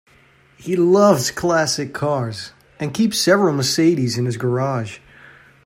He loves classic cars, and keeps several Mercedes in his garage